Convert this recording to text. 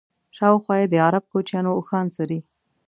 شاوخوا یې د عرب کوچیانو اوښان څري.